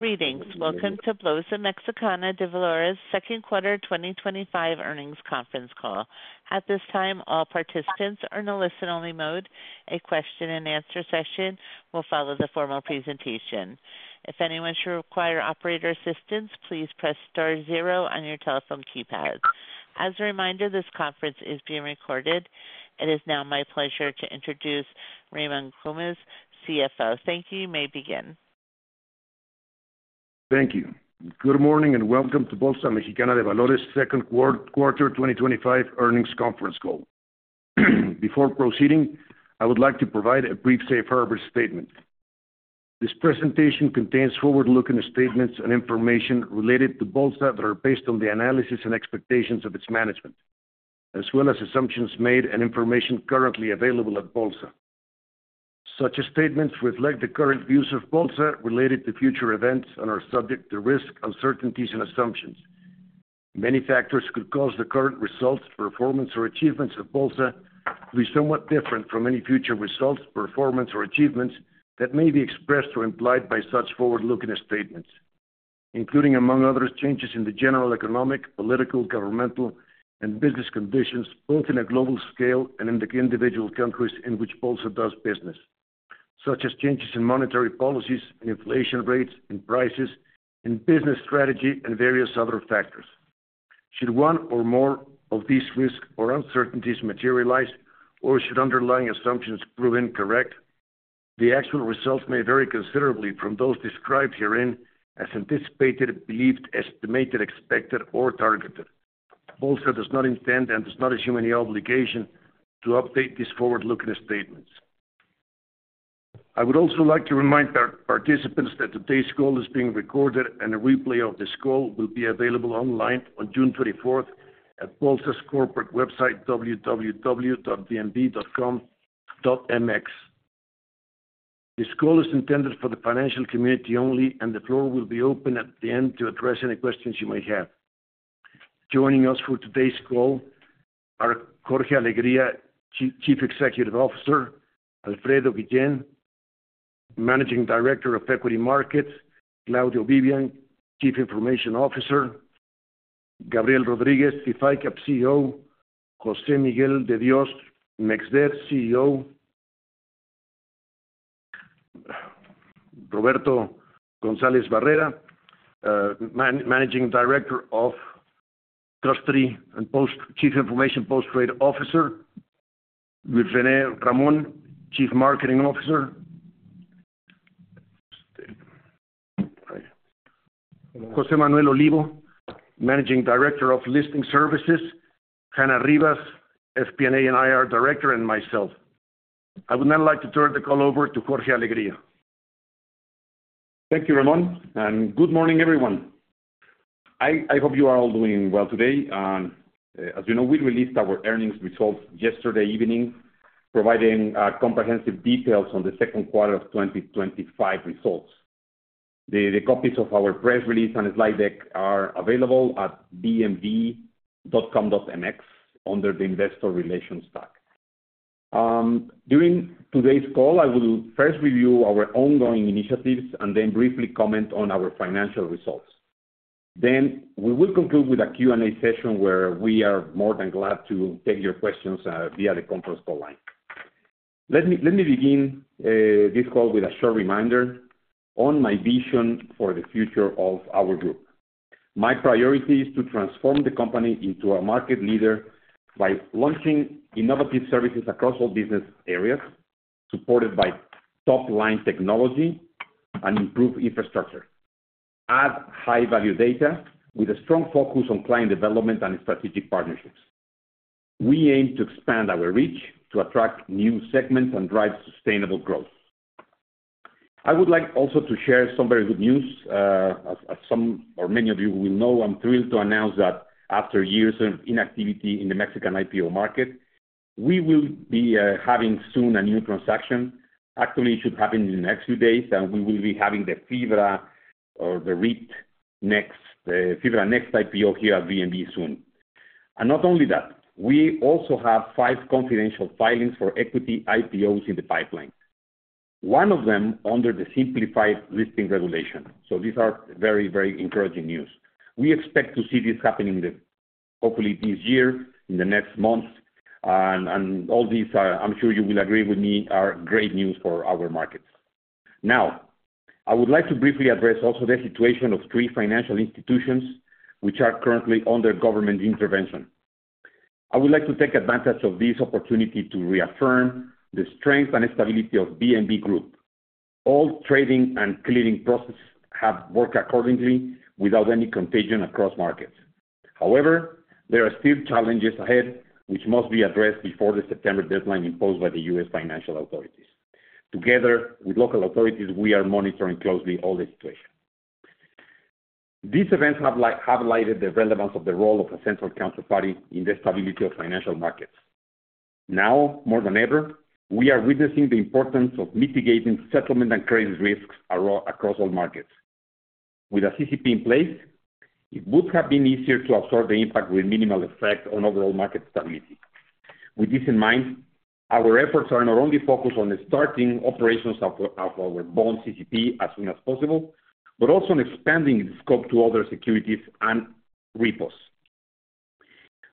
Greetings. Welcome to Bolsa Mexicana de Valores second quarter 2025 earnings conference call. At this time, all participants are in a listen-only mode. A question and answer session will follow the formal presentation. If anyone should require operator assistance, please press star zero on your telephone keypad. As a reminder, this conference is being recorded. It is now my pleasure to introduce Ramón Güémez, CFO. Thank you. You may begin. Thank you. Good morning and welcome to Bolsa Mexicana de Valores second quarter 2025 earnings conference call. Before proceeding, I would like to provide a brief safe harbor statement. This presentation contains forward-looking statements and information related to Bolsa that are based on the analysis and expectations of its management, as well as assumptions made and information currently available at Bolsa. Such statements reflect the current views of Bolsa related to future events and are subject to risk, uncertainties, and assumptions. Many factors could cause the current results, performance, or achievements of Bolsa to be somewhat different from any future results, performance, or achievements that may be expressed or implied by such forward-looking statements, including, among others, changes in the general economic, political, governmental, and business conditions, both on a global scale and in the individual countries in which Bolsa does business, such as changes in monetary policies, inflation rates, and prices, and business strategy, and various other factors. Should one or more of these risks or uncertainties materialize, or should underlying assumptions prove incorrect, the actual results may vary considerably from those described herein as anticipated, believed, estimated, expected, or targeted. Bolsa does not intend and does not assume any obligation to update these forward-looking statements. I would also like to remind participants that today's call is being recorded, and a replay of this call will be available online on June 24 at Bolsa's corporate website www.bmv.com.mx. This call is intended for the financial community only, and the floor will be open at the end to address any questions you may have. Joining us for today's call are Jorge Alegría, Chief Executive Officer; Alfredo Guillén, Managing Director of Equity Markets; Claudio Vivian, Chief Information Officer; Gabriel José Miguel de Dios, MexDer CEO; Roberto González Barrera, Managing Director of Trust and Chief Post Trade Officer; Luis René Ramón, Chief Marketing Officer; José Manuel Olivo, Managing Director of Listing Services; Hannah Rivas, FP&A and IR Director; and myself. I would now like to turn the call over to Jorge Alegría. Thank you, Ramón, and good morning, everyone. I hope you are all doing well today. As you know, we released our earnings results yesterday evening, providing comprehensive details on the second quarter of 2025 results. The copies of our press release and slide deck are available at bmv.com.mx under the Investor Relations tab. During today's call, I will first review our ongoing initiatives and then briefly comment on our financial results. We will conclude with a Q&A session where we are more than glad to take your questions via the conference call line. Let me begin this call with a short reminder on my vision for the future of our group. My priority is to transform the company into a market leader by launching innovative services across all business areas, supported by top-line technology and improved infrastructure, and high-value data with a strong focus on client development and strategic partnerships. We aim to expand our reach to attract new segments and drive sustainable growth. I would like also to share some very good news. As some or many of you will know, I'm thrilled to announce that after years of inactivity in the Mexican IPO market, we will be having soon a new transaction. Actually, it should happen in the next few days, and we will be having FIBRA Next IPO here at BMV soon. Not only that, we also have five confidential filings for equity IPOs in the pipeline, one of them under the simplified listing regime. These are very, very encouraging news. We expect to see this happening hopefully this year, in the next month. All these, I'm sure you will agree with me, are great news for our markets. Now, I would like to briefly address also the situation of three financial institutions which are currently under government intervention. I would like to take advantage of this opportunity to reaffirm the strength and stability of BMV Group. All trading and clearing processes have worked accordingly without any contagion across markets. However, there are still challenges ahead which must be addressed before the September deadline imposed by the U.S. financial authorities. Together with local authorities, we are monitoring closely all the situation. These events have highlighted the relevance of the role of a central counterparty in the stability of financial markets. Now, more than ever, we are witnessing the importance of mitigating settlement and credit risks across all markets. With a CCP in place, it would have been easier to absorb the impact with minimal effect on overall market stability. With this in mind, our efforts are not only focused on starting operations of our bond CCP as soon as possible, but also on expanding the scope to other securities and repos.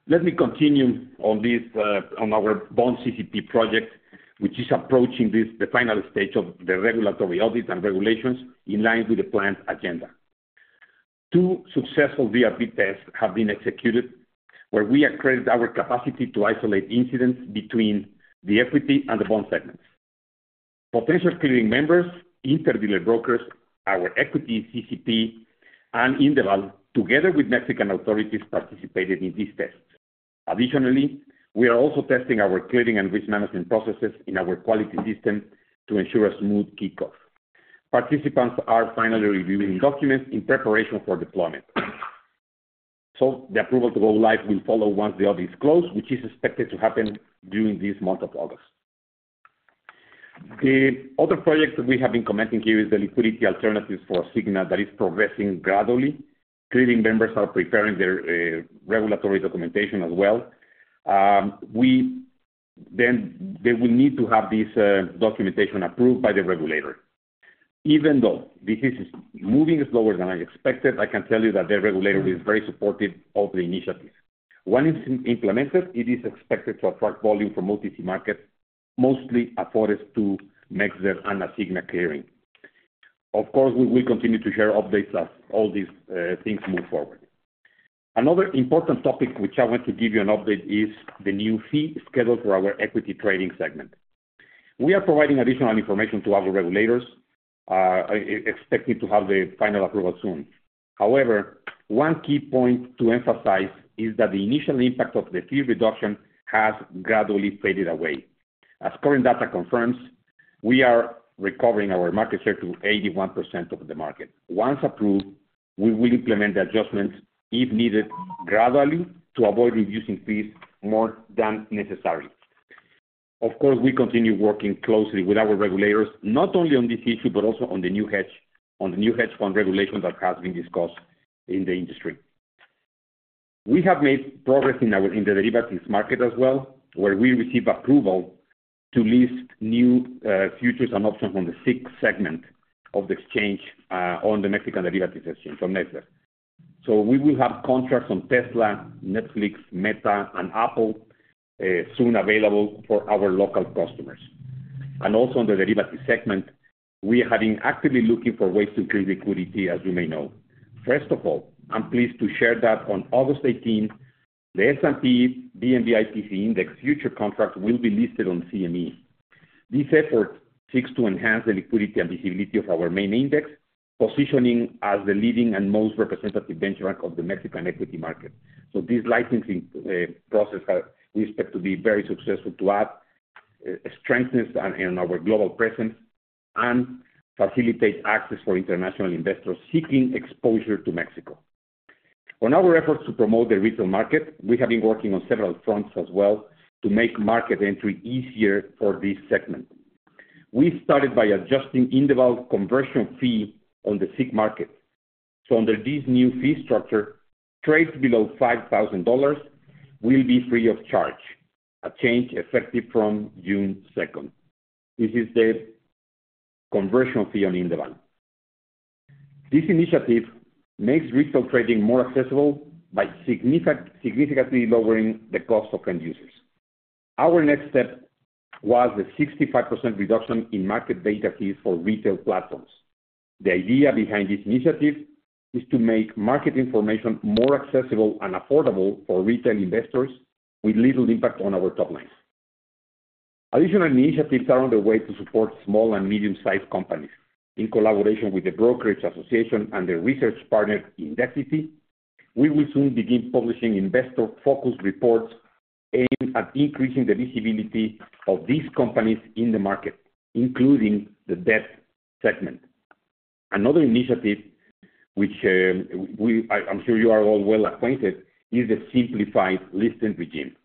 Let me continue on our bond CCP project, which is approaching the final stage of the regulatory audit and regulations in line with the planned agenda. Two successful DRP tests have been executed where we accredit our capacity to isolate incidents between the equity and the bond segments. Potential clearing members, interdealer brokers, our equity CCP, and Indeval, together with Mexican authorities, participated in these tests. Additionally, we are also testing our clearing and risk management processes in our quality system to ensure a smooth kickoff. Participants are finally reviewing documents in preparation for deployment. The approval to go live will follow once the audit is closed, which is expected to happen during this month of August. The other project that we have been commenting here is the liquidity alternatives for SIG that is progressing gradually. Clearing members are preparing their regulatory documentation as well. They will need to have this documentation approved by the regulator. Even though this is moving slower than I expected, I can tell you that the regulator is very supportive of the initiative. When it's implemented, it is expected to attract volume from OTC trading, mostly afforded to MexDer and a SIG clearing. Of course, we will continue to share updates as all these things move forward. Another important topic which I want to give you an update is the new fee schedule for our equity trading segment. We are providing additional information to our regulators, expecting to have the final approval soon. However, one key point to emphasize is that the initial impact of the fee reduction has gradually faded away. As current data confirms, we are recovering our market share to 81% of the market. Once approved, we will implement the adjustment if needed gradually to avoid reducing fees more than necessary. We continue working closely with our regulators, not only on this issue, but also on the new hedge fund regulation that has been discussed in the industry. We have made progress in the derivatives market as well, where we received approval to list new futures and options on the SIG segment of the exchange on the Mexican derivatives exchange, on NYSE. We will have contracts on Tesla, Netflix, Meta, and Apple soon available for our local customers. Also, on the derivatives segment, we are actively looking for ways to increase liquidity, as you may know. First of all, I'm pleased to share that on August 18, the S&P BMV IPC index future contracts will be listed on CME. This effort seeks to enhance the liquidity and visibility of our main index, positioning as the leading and most representative benchmark of the Mexican equity market. This licensing process we expect to be very successful to add strengthens our global presence and facilitates access for international investors seeking exposure to Mexico. On our efforts to promote the retail market, we have been working on several fronts as well to make market entry easier for this segment. We started by adjusting Indeval's conversion fee on the SIG market. Under this new fee structure, trades below MXN 5,000 will be free of charge, a change effective from June 2. This is the conversion fee on Indeval. This initiative makes retail trading more accessible by significantly lowering the cost for end users. Our next step was a 65% reduction in market data fees for retail platforms. The idea behind this initiative is to make market information more accessible and affordable for retail investors with little impact on our top line. Additional initiatives are on the way to support small and medium-sized companies. In collaboration with the Brokerage Association and the research partner Indecity, we will soon begin publishing investor-focused reports aimed at increasing the visibility of these companies in the market, including the DEF segment. Another initiative which I'm sure you are all well acquainted with is the simplified listing regime.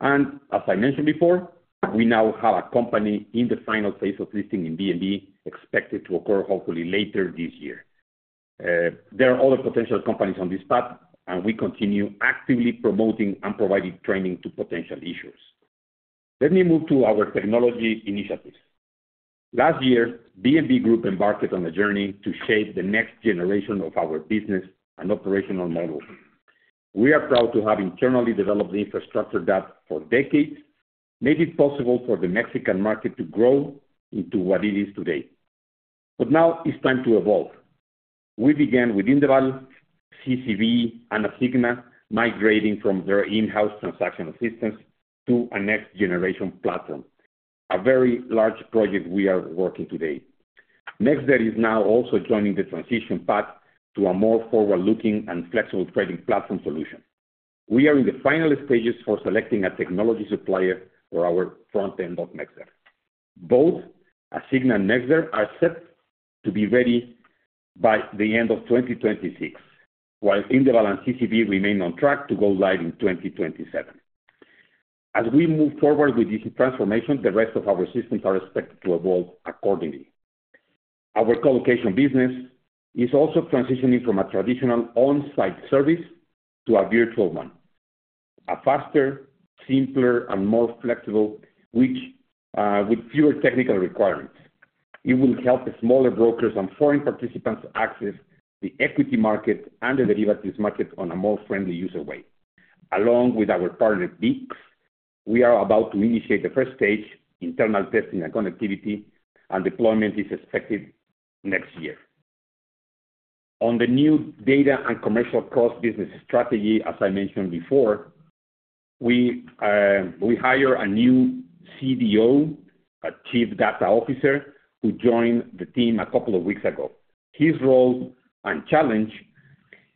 As I mentioned before, we now have a company in the final phase of listing in BMV expected to occur hopefully later this year. There are other potential companies on this path, and we continue actively promoting and providing training to potential issuers. Let me move to our technology initiatives. Last year, BMV Group embarked on a journey to shape the next generation of our business and operational model. We are proud to have internally developed the infrastructure that for decades made it possible for the Mexican market to grow into what it is today. Now it's time to evolve. We began with Indeval, CCV, and SIF ICAP Mexico migrating from their in-house transaction assistance to a next-generation platform, a very large project we are working on today. MexDer is now also joining the transition path to a more forward-looking and flexible trading platform solution. We are in the final stages for selecting a technology supplier for our SIF ICAP Mexico and MexDer are set to be ready by the end of 2026, while Indeval and CCV remain on track to go live in 2027. As we move forward with this transformation, the rest of our systems are expected to evolve accordingly. Our colocation business is also transitioning from a traditional on-site service to a virtual one, a faster, simpler, and more flexible one, with fewer technical requirements. It will help smaller brokers and foreign participants access the equity market and the derivatives markets in a more friendly user way. Along with our target BIPs, we are about to initiate the first stage of internal testing and connectivity, and deployment is expected next year. On the new data and commercial cost business strategy, as I mentioned before, we hired a new CDO, a Chief Data Officer, who joined the team a couple of weeks ago. His role and challenge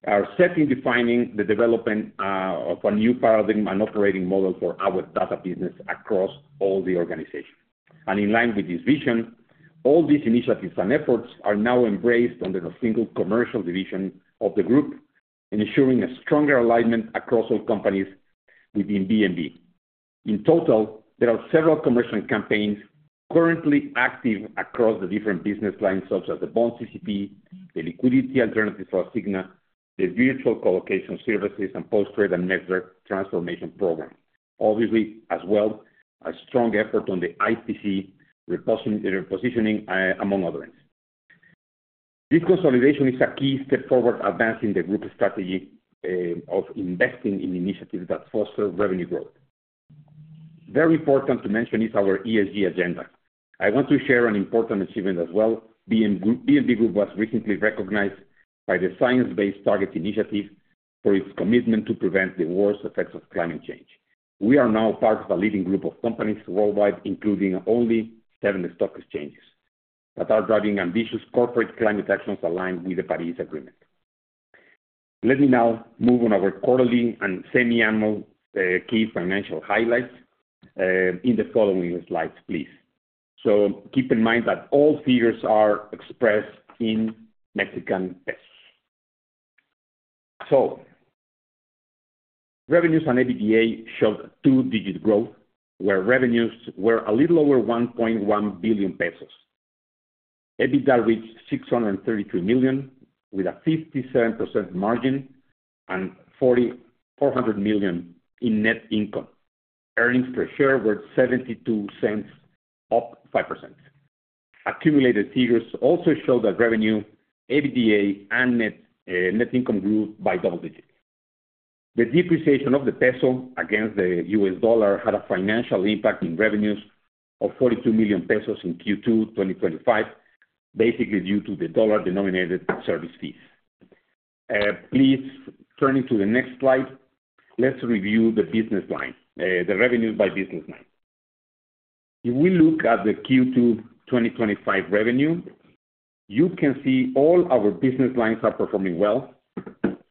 are set in defining the development of a new paradigm and operating model for our data business across all the organization. In line with this vision, all these initiatives and efforts are now embraced under a single commercial division of the group, ensuring a stronger alignment across all companies within BMV. In total, there are several commercial campaigns currently active across the different business lines, such as the bond CCP project, the liquidity alternatives for SIF ICAP Mexico, the virtual colocation services, and post-trade and MexDer transformation program. Obviously, as well, a strong effort on the IPC repositioning, among other things. This consolidation is a key step forward advance in the group's strategy of investing in initiatives that foster revenue growth. Very important to mention is our ESG agenda. I want to share an important achievement as well. BMV Group was recently recognized by the Science-Based Targets initiative for its commitment to prevent the worst effects of climate change. We are now part of the leading group of companies worldwide, including only seven stock exchanges that are driving ambitious corporate climate actions aligned with the Paris Agreement. Let me now move on our quarterly and semiannual key financial highlights in the following slides, please. Keep in mind that all figures are expressed in Mexican pesos. Revenues and EBITDA showed two-digit growth, where revenues were a little over 1.1 billion pesos. EBITDA reached 633 million with a 57% margin and 400 million in net income. Earnings per share were 0.72, up 5%. Accumulated figures also show that revenue, EBITDA, and net income grew by double digits. The depreciation of the peso against the US dollar had a financial impact in revenues of 42 million pesos in Q2 2025, baSIGally due to the dollar-denominated service fees. Please turn to the next slide. Let's review the revenue by business line. If we look at the Q2 2025 revenue, you can see all our business lines are performing well.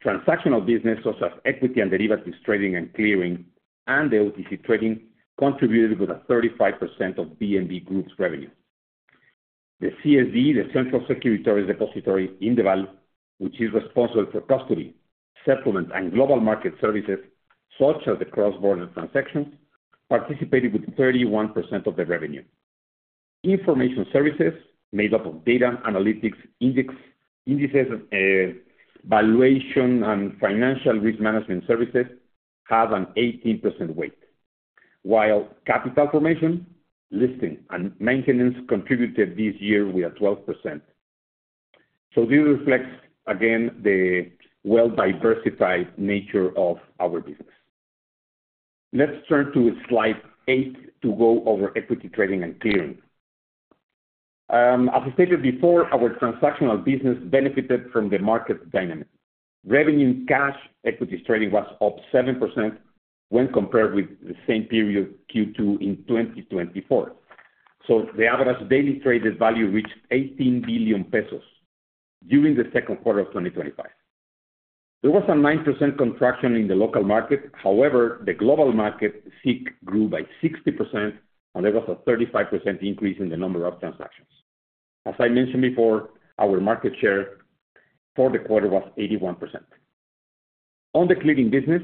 Transactional business, such as equity and derivatives trading and clearing, and the OTC trading contributed with 35% of BMV Group's revenue. The CSD, the central securities depository Indeval, which is responsible for custody, settlement, and global market services, such as the cross-border transactions, participated with 31% of the revenue. Information services, made up of data, analytics, indices, valuation, and financial risk management services, have an 18% weight, while capital formation, listing, and maintenance contributed this year with 12%. This reflects, again, the well-diversified nature of our business. Let's turn to slide eight to go over equity trading and clearing. As I stated before, our transactional business benefited from the market dynamics. Revenue in cash equities trading was up 7% when compared with the same period Q2 in 2024. The average daily traded value reached 18 billion pesos during the second quarter of 2025. There was a 9% contraction in the local market. However, the global market SIG grew by 60%, and there was a 35% increase in the number of transactions. As I mentioned before, our market share for the quarter was 81%. On the clearing business,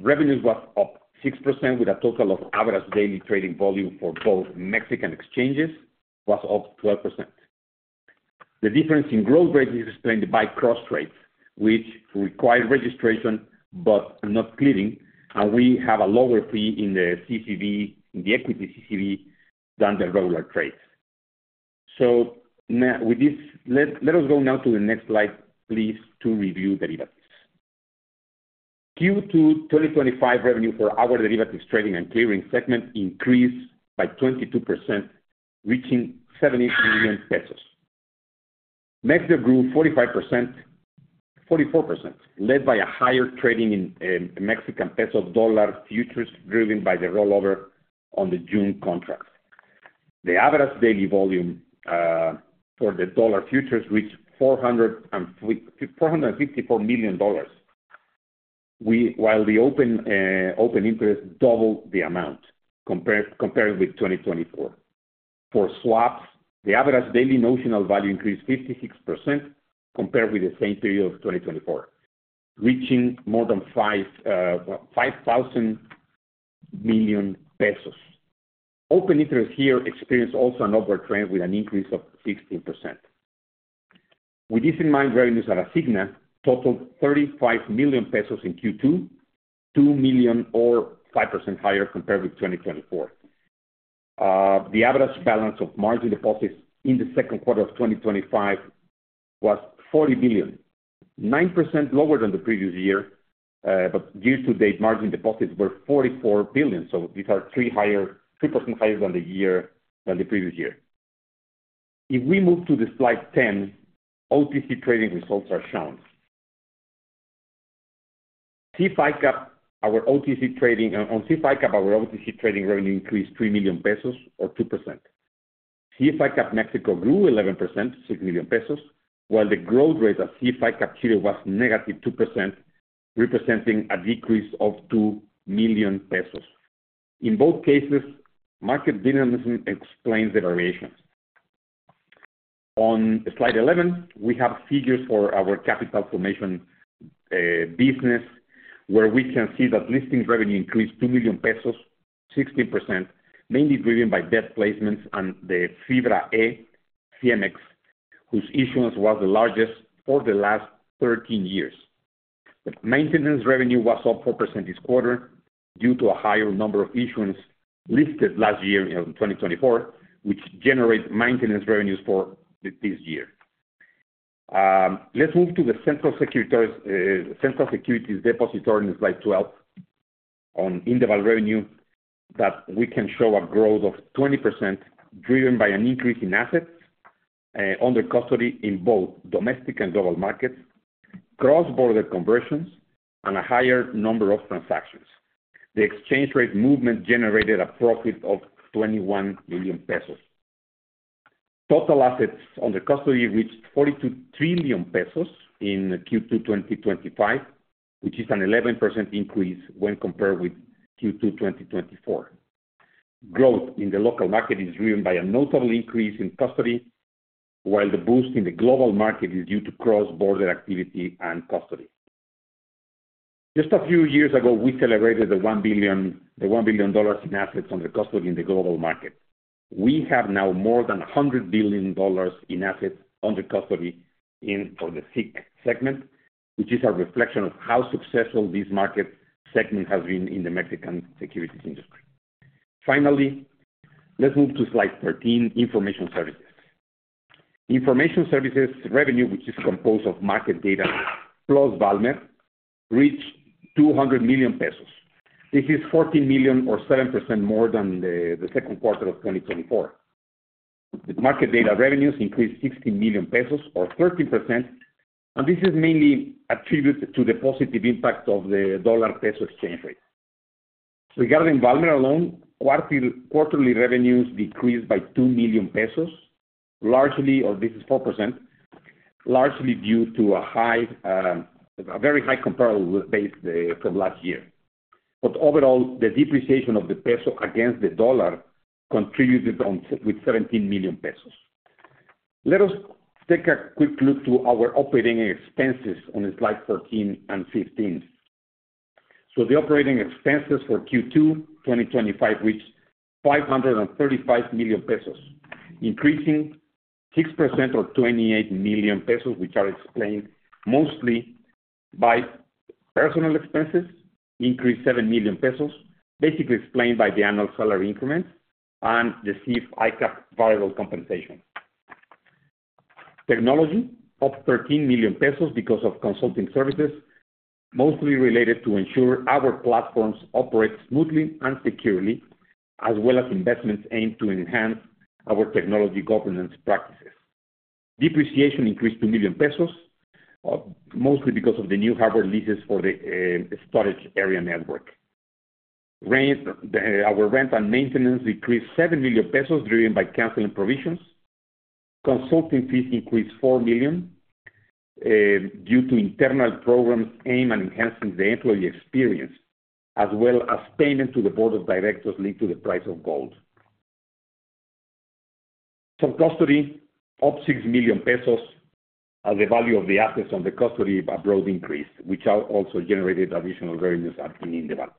revenues were up 6% with a total of average daily trading volume for both Mexican exchanges up 12%. The difference in growth rate is explained by cross trades, which require registration but not clearing, and we have a lower fee in the CCV, in the equity CCV than the regular trades. Now with this, let us go to the next slide, please, to review derivatives. Q2 2025 revenue for our derivatives trading and clearing segment increased by 22%, reaching 78 million pesos. Mexico grew 45%, 44%, led by a higher trading in Mexican peso-dollar futures driven by the rollover on the June contract. The average daily volume for the dollar futures reached MXN 454 million, while the open interest doubled the amount compared with 2024. For swaps, the average daily notional value increased 56% compared with the same period of 2024, reaching more than 5,000 million pesos. Open interest here experienced also an overtrend with an increase of 16%. With this in mind, revenues at Asigna totaled 35 million pesos in Q2, 2 million or 5% higher compared with 2024. The average balance of margin deposits in the second quarter of 2025 was 40 billion, 9% lower than the previous year, but year to date, margin deposits were 44 billion. These are 3% higher than the previous year. If we move to slide 10, OTC trading results are shown. SIF ICAP, our OTC trading on SIF ICAP, our OTC trading revenue increased 3 million pesos or 2%. SIF ICAP Mexico grew 11%, 6 million pesos, while the growth rate at SIF ICAP Chile was negative 2%, representing a decrease of 2 million pesos. In both cases, market dynamism explains the variations. On slide 11, we have figures for our capital formation business, where we can see that listing revenue increased 2 million pesos, 16%, mainly driven by debt placements and FIBRA Next, whose issuance was the largest for the last 13 years. Maintenance revenue was up 4% this quarter due to a higher number of issuances listed last year in 2024, which generates maintenance revenues for this year. Let's move to the central securities depository in slide 12 on Indeval revenue that we can show a growth of 20% driven by an increase in assets under custody in both domestic and global markets, cross-border conversions, and a higher number of transactions. The exchange rate movement generated a profit of 21 million pesos. Total assets under custody reached 42 trillion pesos in Q2 2025, which is an 11% increase when compared with Q2 2024. Growth in the local market is driven by a notable increase in custody, while the boost in the global market is due to cross-border activity and custody. Just a few years ago, we celebrated the MXN 1 billion in assets under custody in the global market. We have now more than MXN 100 billion in assets under custody in the SIG segment, which is a reflection of how successful this market segment has been in the Mexican securities industry. Finally, let's move to slide 13, information services. Information services revenue, which is composed of market data plus Valmer, reached 200 million pesos. This is 14 million or 7% more than the second quarter of 2024. The market data revenues increased 16 million pesos or 13%, and this is mainly attributed to the positive impact of the dollar-peso exchange rate. Regarding Valmer alone, quarterly revenues decreased by 2 million pesos, or 4%, largely due to a very high comparable base from last year. Overall, the depreciation of the peso against the dollar contributed with 17 million pesos. Let us take a quick look at our operating expenses on slides 14 and 15. The operating expenses for Q2 2025 reached 535 million pesos, increasing 6% or 28 million pesos, which are explained mostly by personnel expenses, increased 7 million pesos, baSIGally explained by the annual salary increments and the SIF ICAP variable compensation. Technology up 13 million pesos because of consulting services, mostly related to ensure our platforms operate smoothly and securely, as well as investments aimed to enhance our technology governance practices. Depreciation increased 2 million pesos, mostly because of the new hardware leases for the storage area network. Our rent and maintenance decreased 7 million pesos, driven by canceling provisions. Consulting fees increased 4 million due to internal programs aimed at enhancing the employee experience, as well as payment to the board of directors linked to the price of gold. Some custody up 6 million pesos as the value of the assets on the custody abroad increased, which also generated additional revenues in Indeval.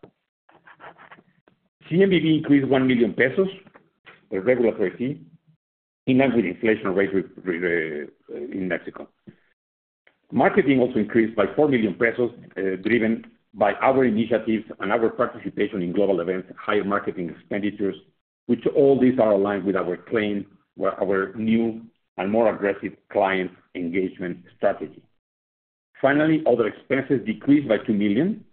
CMBB increased 1 million pesos for regular fee in an inflation rate in Mexico. Marketing also increased by 4 million pesos, driven by other initiatives and other participation in global events, higher marketing expenditures, which all these are aligned with our claim for our new and more aggressive client engagement strategy. Finally, other expenses decreased by 2 million,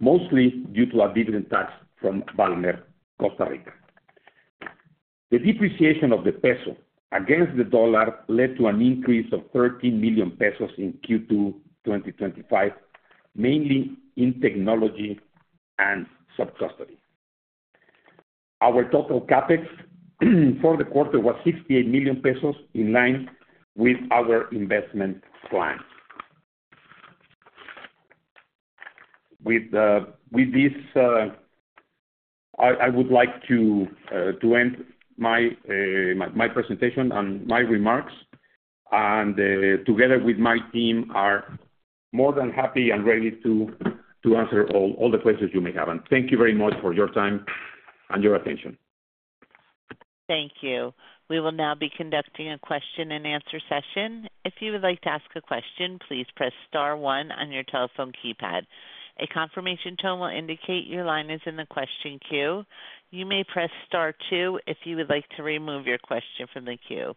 mostly due to a dividend tax from Valmer, Costa Rica. The depreciation of the peso against the dollar led to an increase of 13 million pesos in Q2 2025, mainly in technology and subcustody. Our total CapEx for the quarter was 68 million pesos, in line with other investment plans. With this, I would like to end my presentation and my remarks. Together with my team, we are more than happy and ready to answer all the questions you may have. Thank you very much for your time and your attention. Thank you. We will now be conducting a question and answer session. If you would like to ask a question, please press star one on your telephone keypad. A confirmation tone will indicate your line is in the question queue. You may press star two if you would like to remove your question from the queue.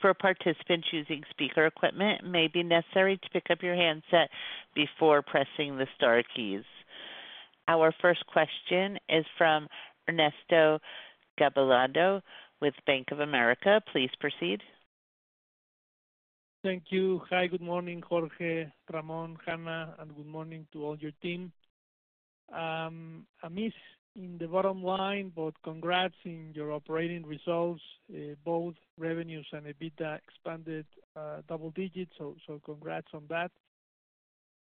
For participants using speaker equipment, it may be necessary to pick up your handset before pressing the star keys. Our first question is from Ernesto Gabilondo with Bank of America. Please proceed. Thank you. Hi, good morning, Jorge, Ramón, Hannah, and good morning to all your team. I miss in the bottom line, but congrats in your operating results. Both revenues and EBITDA expanded double digits, so congrats on that.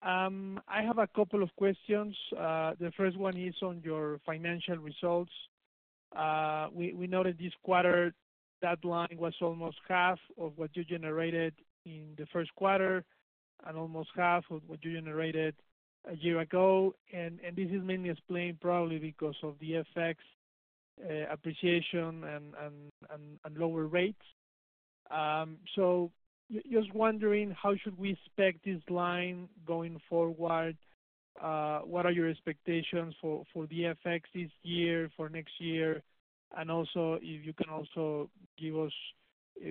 I have a couple of questions. The first one is on your financial results. We noted this quarter that line was almost half of what you generated in the first quarter and almost half of what you generated a year ago. This is mainly explained probably because of the FX appreciation and lower rates. Just wondering, how should we expect this line going forward? What are your expectations for the FX this year, for next year? If you can also give us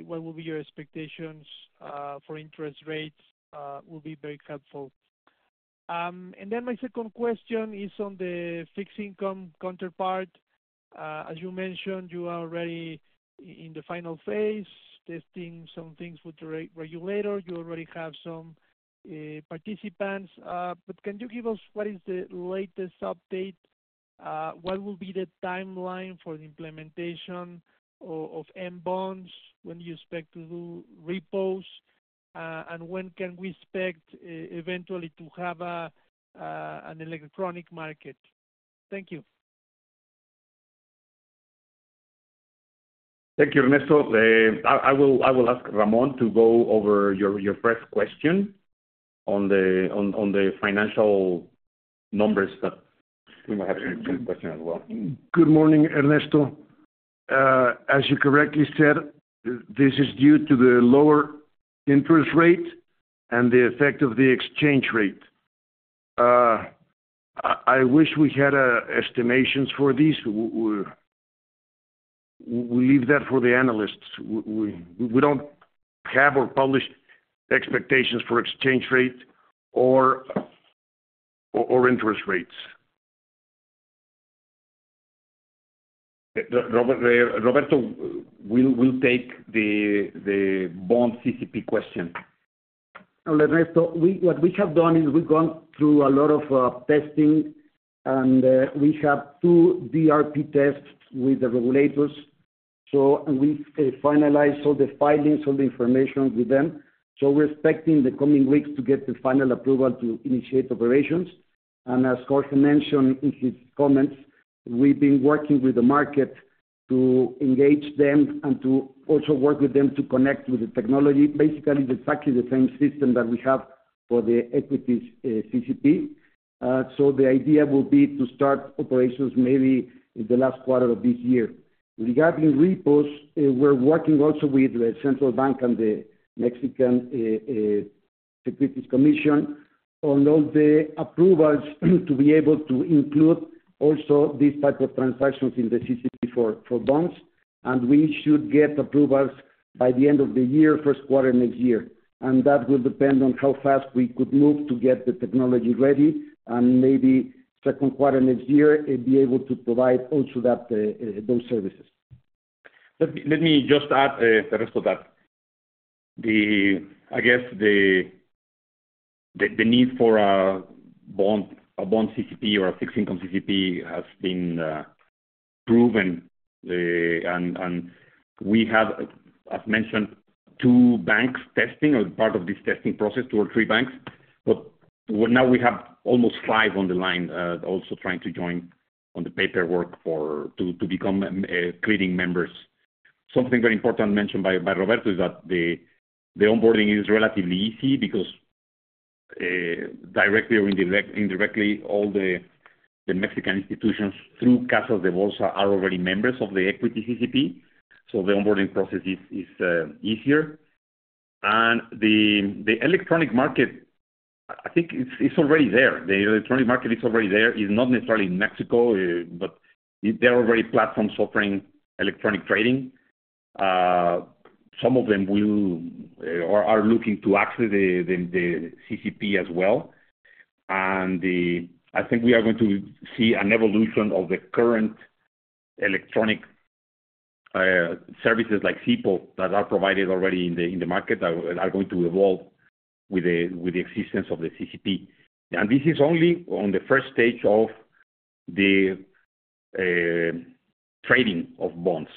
what will be your expectations for interest rates, it will be very helpful. My second question is on the fixed income counterpart. As you mentioned, you are already in the final phase, testing some things with the regulator. You already have some participants. Can you give us what is the latest update? What will be the timeline for the implementation of M-bonds? When do you expect to do repos? When can we expect eventually to have an electronic market? Thank you. Thank you, Ernesto. I will ask Ramón to go over your first question on the financial numbers that you might have some questions as well. Good morning, Ernesto. As you correctly said, this is due to the lower interest rate and the effect of the exchange rate. I wish we had estimations for this. We leave that for the analysts. We don't have or publish expectations for exchange rates or interest rates. Roberto, we'll take the bond CCP question. Ernesto, what we have done is we've gone through a lot of testing, and we have two DRP tests with the regulators. We've finalized all the filings, all the information with them. We're expecting in the coming weeks to get the final approval to initiate operations. As Jorge mentioned in his comments, we've been working with the market to engage them and to also work with them to connect with the technology. BaSIGally, it's exactly the same system that we have for the equities CCP. The idea will be to start operations maybe in the last quarter of this year. Regarding repos, we're working also with the Central Bank and the Mexican Securities Commission on all the approvals to be able to include also these types of transactions in the CCP for bonds. We should get approvals by the end of the year, first quarter next year. That will depend on how fast we could move to get the technology ready. Maybe second quarter next year, be able to provide also those services. Let me just add, Ernesto, that I guess the need for a bond CCP or a fixed income CCP has been proven. We have, as mentioned, two banks testing as part of this testing process, two or three banks. Now we have almost five on the line also trying to join on the paperwork or to become clearing members. Something very important mentioned by Roberto is that the onboarding is relatively easy because directly or indirectly, all the Mexican institutions through Casas de Bolsa are already members of the equity CCP. The onboarding process is easier. The electronic market, I think it's already there. The electronic market is already there. It's not necessarily in Mexico, but there are already platforms offering electronic trading. Some of them will or are looking to access the CCP as well. I think we are going to see an evolution of the current electronic services like SIPO that are provided already in the market that are going to evolve with the existence of the CCP. This is only on the first stage of the trading of bonds.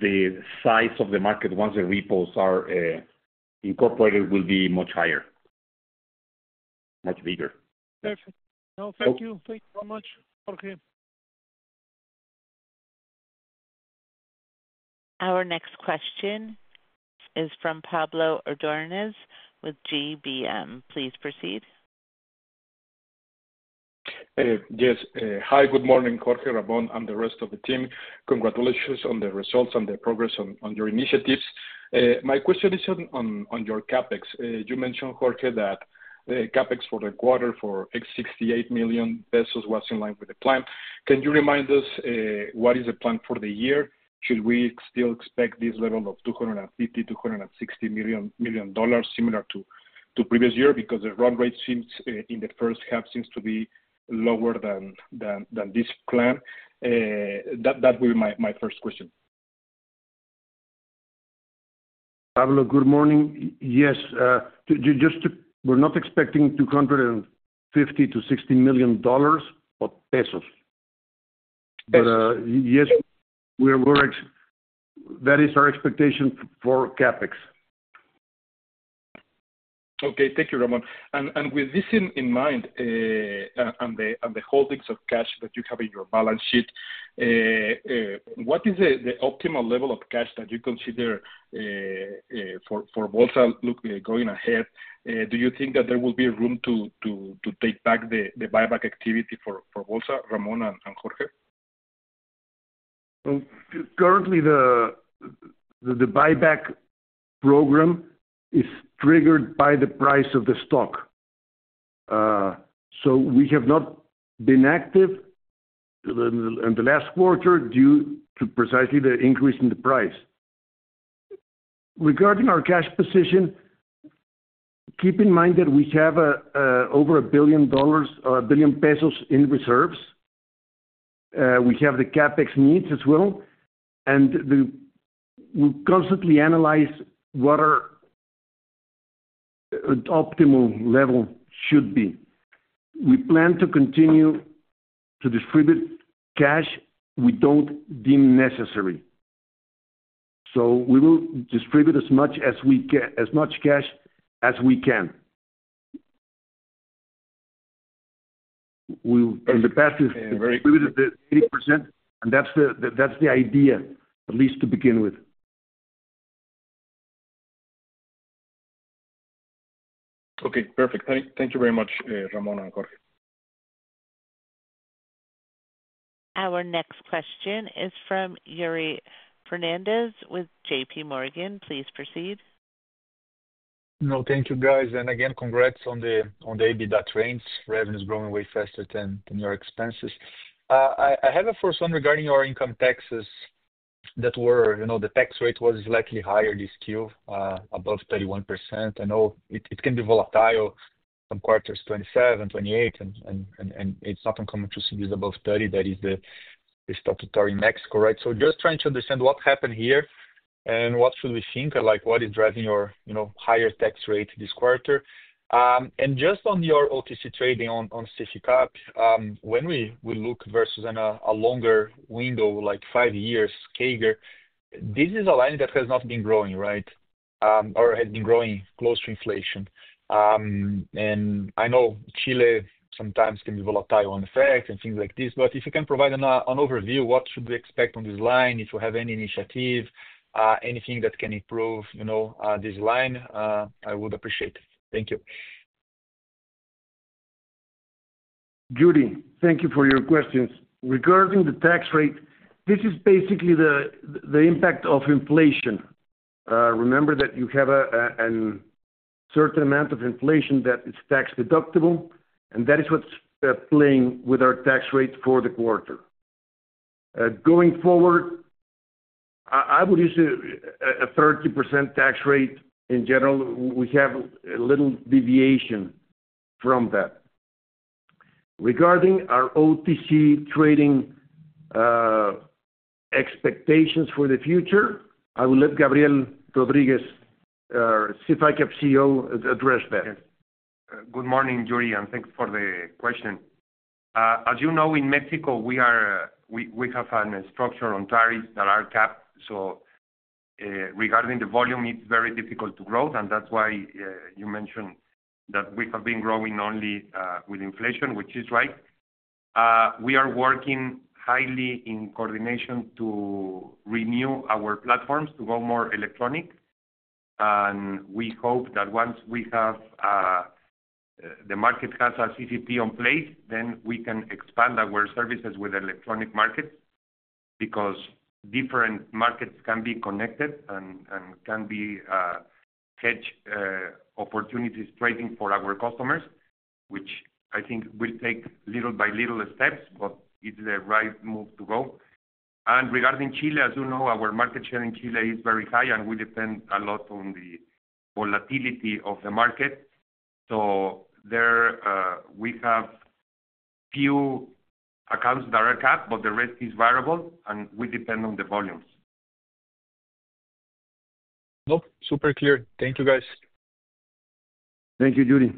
The size of the market once the repos are incorporated will be much higher. Much bigger. Perfect. No, thank you. Thank you so much, Jorge. Our next question is from Pablo Ordóñez with GBM. Please proceed. Yes. Hi, good morning, Jorge, Ramón, and the rest of the team. Congratulations on the results and the progress on your initiatives. My question is on your CapEx. You mentioned, Jorge, that the CapEx for the quarter for 68 million pesos was in line with the plan. Can you remind us what is the plan for the year? Should we still expect this level of 250 million, 260 million, similar to the previous year? Because the run rate in the first half seems to be lower than this plan. That will be my first question. Pablo, good morning. Yes, we're not expecting MXN 250 million-MXN 260 million. But yes, we are working. That is our expectation for CapEx. Thank you, Ramón. With this in mind and the holdings of cash that you have in your balance sheet, what is the optimal level of cash that you consider for Bolsa going ahead? Do you think that there will be room to take back the buyback activity for Bolsa, Ramón and Jorge? Currently, the buyback program is triggered by the price of the stock. We have not been active in the last quarter due to precisely the increase in the price. Regarding our cash position, keep in mind that we have over 1 billion pesos or 1 billion pesos in reserves. We have the CapEx needs as well, and we constantly analyze what our optimal level should be. We plan to continue to distribute cash we don't deem necessary. We will distribute as much as we can, as much cash as we can. In the past, we've been at the 8%, and that's the idea, at least to begin with. Okay. Perfect. Thank you very much, Ramón and Jorge. Our next question is from Yuri Fernandes with J.P. Morgan. Please proceed. No, thank you, guys. Again, congrats on the EBITDA trends. Revenue is growing way faster than your expenses. I have a first one regarding your income taxes that were, you know, the tax rate was slightly higher this quarter, above 31%. I know it can be volatile from quarters 27 and 28, and it's not uncommon to see this above 30%. That is the stock in Mexico, right? Just trying to understand what happened here and what should we think, and like what is driving your, you know, higher tax rate this quarter. Just on your OTC trading on SIF ICAP, when we look versus a longer window, like five years, this is a line that has not been growing, right? Or has been growing close to inflation. I know Chile sometimes can be volatile on FX and things like this, but if you can provide an overview, what should we expect on this line? If you have any initiative, anything that can improve, you know, this line, I would appreciate it. Thank you. Yuri, thank you for your questions. Regarding the tax rate, this is baSIGally the impact of inflation. Remember that you have a certain amount of inflation that is tax deductible, and that is what's playing with our tax rate for the quarter. Going forward, I would say a 30% tax rate in general. We have a little deviation from that. Regarding our OTC trading expectations for the future, I will let Gabriel Rodríguez, SIF ICAP CEO, address that. Good morning, Yuri, and thanks for the question. As you know, in Mexico, we have a structure on tariffs that are capped. Regarding the volume, it's very difficult to grow, and that's why you mentioned that we have been growing only with inflation, which is right. We are working highly in coordination to renew our platforms to go more electronic. We hope that once the market has a CCP in place, we can expand our services with the electronic market because different markets can be connected and can be hedge opportunities trading for our customers, which I think will take little by little steps, but it's the right move to go. Regarding Chile, as you know, our market share in Chile is very high, and we depend a lot on the volatility of the market. There, we have a few accounts that are capped, but the rest is variable, and we depend on the volumes. Nope, super clear. Thank you, guys. Thank you, Yuri.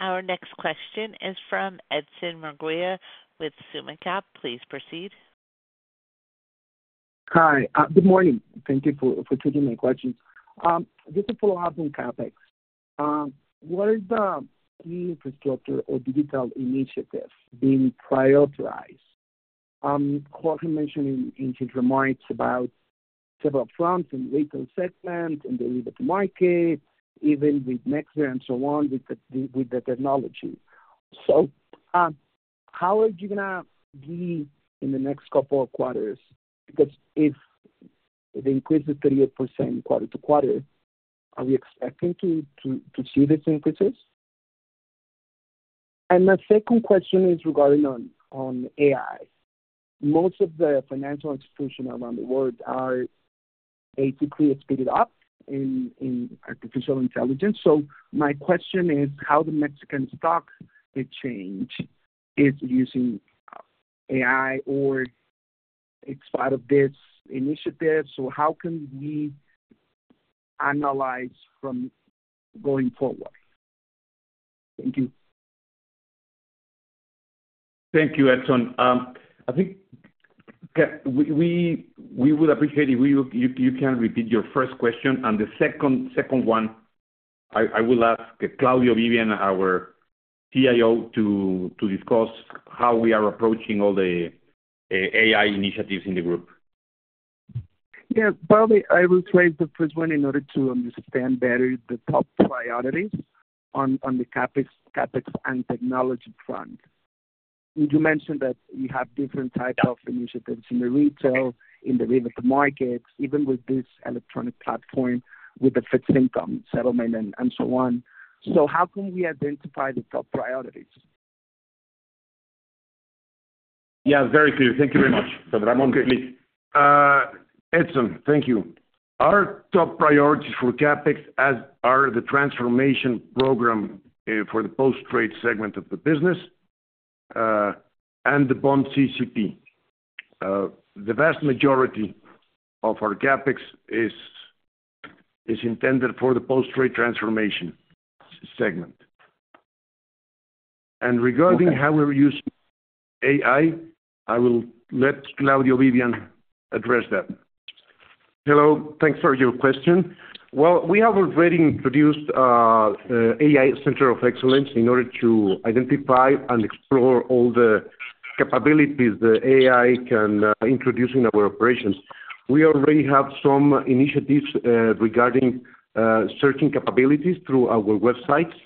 Our next question is Edson Murguia with SummaCap. Please proceed. Hi. Good morning. Thank you for taking my question. Just to follow up on CapEx, what are the infrastructure or digital initiatives being prioritized? Jorge mentioned in his remarks about several fronts and vehicle segments and the market, even with NextDEV and so on with the technology. How are you going to be in the next couple of quarters? If they increase the 38% quarter to quarter, are we expecting to see this increase? My second question is regarding AI. Most of the financial exposure around the world are baSIGally speeded up in artificial intelligence. My question is how the Bolsa Mexicana de Valores is using AI or it's part of this initiative. How can we analyze from going forward? Thank you. Thank you, Edson. I think we would appreciate if you can repeat your first question. The second one, I will ask Claudio Vivian, our Chief Information Officer, to discuss how we are approaching all the AI initiatives in the group. Yeah. Probably I will play the first one in order to understand better the top priorities on the CapEx and technology front. You mentioned that you have different types of initiatives in the retail, in the remote markets, even with this electronic platform, with the fixed income settlement, and so on. How can we identify the top priorities? Yeah, very clear. Thank you very much, Ramón. Please. Edson, thank you. Our top priorities for CapEx are the transformation program for the post-trade segment of the business and the bond CCP. The vast majority of our CapEx is intended for the post-trade transformation segment. Regarding how we use AI, I will let Claudio Vivian address that. Hello. Thanks for your question. We have already introduced an AI Center of Excellence in order to identify and explore all the capabilities that AI can introduce in our operations. We already have some initiatives regarding searching capabilities through our websites.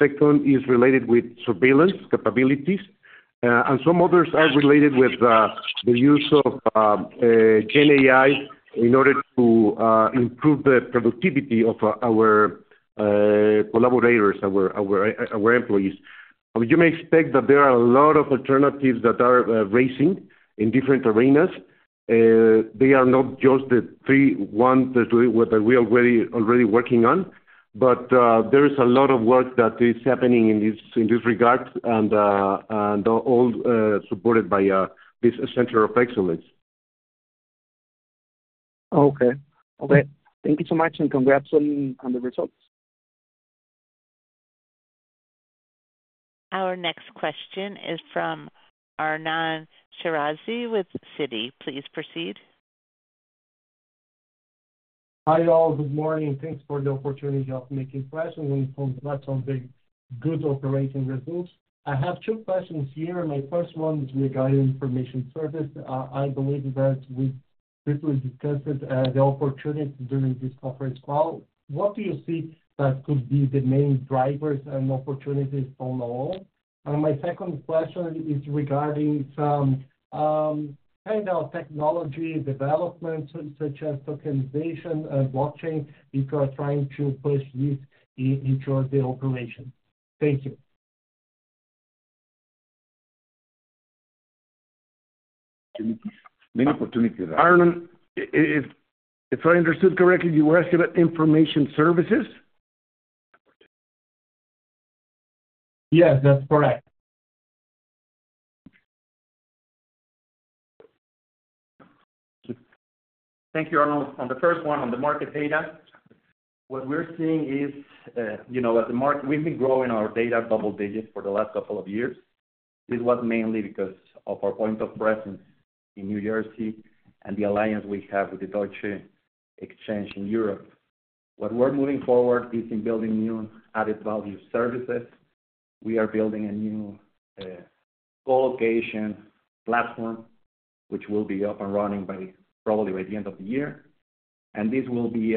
The second is related to surveillance capabilities, and some others are related to the use of GenAI in order to improve the productivity of our collaborators, our employees. You may expect that there are a lot of alternatives that are arising in different arenas. They are not just the three ones that we're already working on, but there is a lot of work that is happening in this regard and all supported by this Center of Excellence. Okay. Thank you so much and congrats on the results. Our next question is from Arnon Shirazi with Citi. Please proceed. Hi all. Good morning. Thanks for the opportunity of making questions and congrats on the good operating results. I have two questions here. My first one is regarding information services. I believe that we briefly discussed the opportunity during this conference call. What do you see that could be the main drivers and opportunities on the whole? My second question is regarding some kind of technology development, such as tokenization and blockchain, which we are trying to push this into the operation. Thank you. Arnon, if I understood correctly, you were asking about information services? Yes, that's correct. Thank you, Arnon. The first one on the market data. What we're seeing is, you know, as the market, we've been growing our data double digits for the last couple of years. This was mainly because of our point of reference in New Jersey and the alliance we have with the Deutsche Börse in Europe. What we're moving forward is in building new added value services. We are building a new colocation platform, which will be up and running probably by the end of the year. This will be,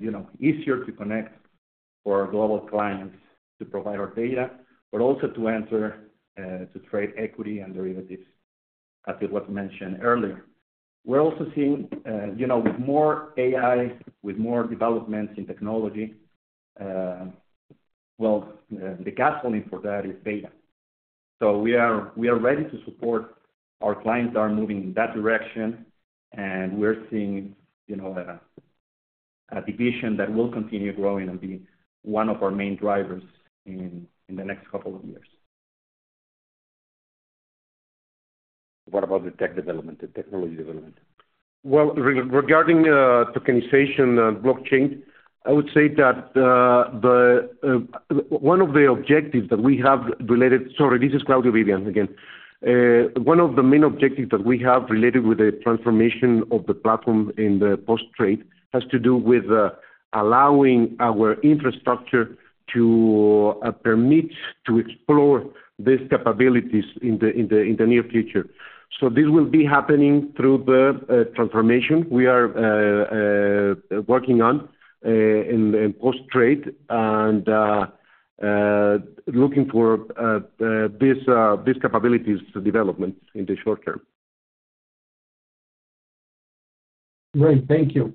you know, easier to connect for our global clients to provide our data, but also to enter to trade equity and derivatives, as it was mentioned earlier. We're also seeing, you know, more AI with more developments in technology. The gasoline for that is data. We are ready to support our clients that are moving in that direction. We're seeing, you know, a division that will continue growing and be one of our main drivers in the next couple of years. What about the tech development, the technology development? Regarding tokenization and blockchain, I would say that one of the objectives that we have related, sorry, this is Claudio Vivian again. One of the main objectives that we have related with the transformation of the platform in the post-trade has to do with allowing our infrastructure to permit to explore these capabilities in the near future. This will be happening through the transformation we are working on in post-trade and looking for these capabilities development in the short term. Great. Thank you.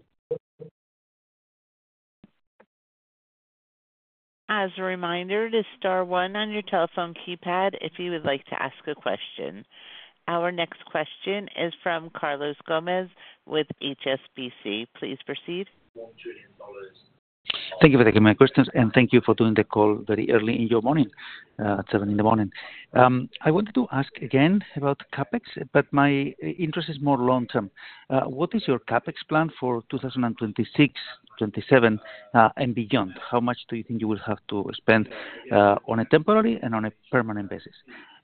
As a reminder, press star one on your telephone keypad if you would like to ask a question. Our next question is from Carlos Gómez with HSBC. Please proceed. Thank you for taking my questions, and thank you for doing the call very early in your morning, at 7:00 A.M. I wanted to ask again about CapEx, but my interest is more long-term. What is your CapEx plan for 2026, 2027, and beyond? How much do you think you will have to spend on a temporary and on a permanent basis?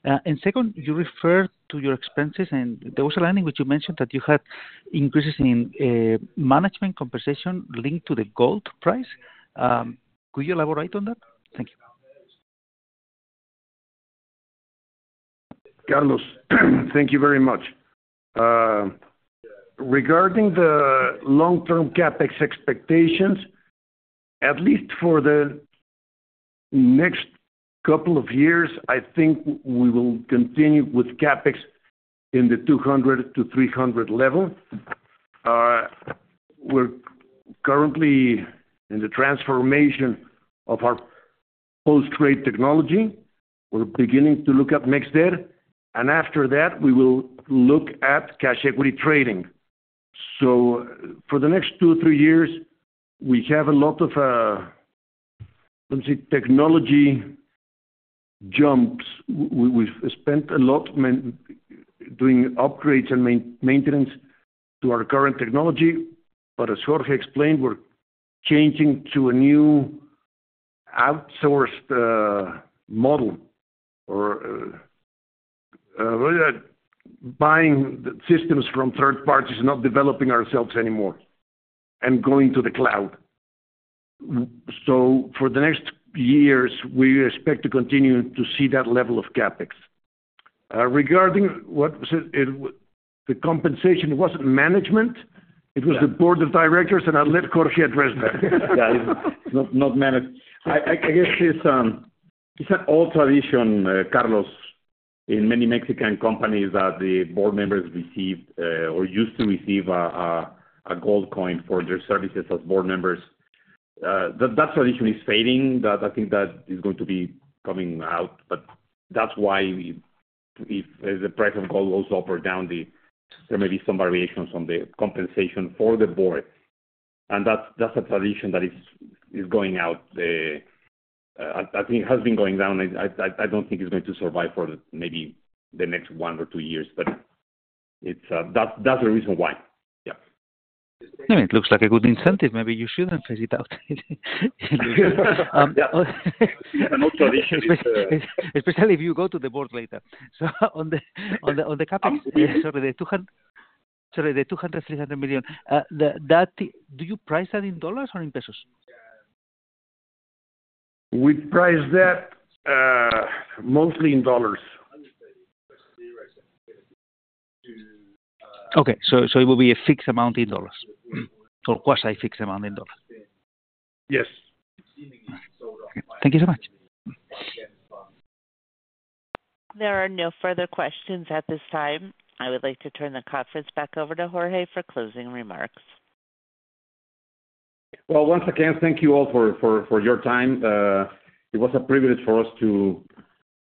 You referred to your expenses, and there was a line in which you mentioned that you had increases in management compensation linked to the gold price. Could you elaborate on that? Thank you. Carlos, thank you very much. Regarding the long-term CapEx expectations, at least for the next couple of years, I think we will continue with CapEx in the 200 million-300 million level. We're currently in the transformation of our post-trade technology. We're beginning to look at mixed debt. After that, we will look at cash equity trading. For the next two or three years, we have a lot of technology jumps. We've spent a lot doing upgrades and maintenance to our current technology. As Jorge explained, we're changing to a new outsourced model or buying systems from third parties and not developing ourselves anymore and going to the cloud. For the next years, we expect to continue to see that level of CapEx. Regarding, what was it, the compensation, it wasn't management. It was the Board of Directors, and I'll let Jorge address that. Yeah, it's not management. I guess it's an old tradition, Carlos, in many Mexican companies that the board members received or used to receive a gold coin for their services as board members. That tradition is fading. I think that is going to be coming out. That's why if the price of gold goes up or down, there may be some variations on the compensation for the board. That is a tradition that is going out. I think it has been going down. I don't think it's going to survive for maybe the next one or two years, but that's the reason why. Yeah. It looks like a good incentive. Maybe you shouldn't phase it out. Yeah. It's an old tradition. On the CapEx, the 200 million, MXN 300 million, do you price that in dollars or in pesos? We price that mostly in dollars. Okay. It will be a fixed amount in dollars or quasi-fixed amount in dollars. Yes. Thank you so much. There are no further questions at this time. I would like to turn the conference back over to Jorge for closing remarks. Thank you all for your time. It was a privilege for us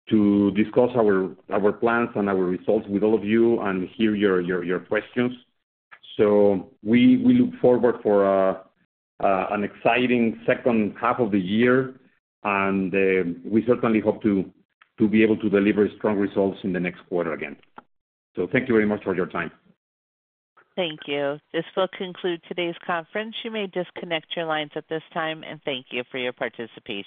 to discuss our plans and our results with all of you and hear your questions. We look forward to an exciting second half of the year, and we certainly hope to be able to deliver strong results in the next quarter again. Thank you very much for your time. Thank you. This will conclude today's conference. You may disconnect your lines at this time, and thank you for your participation.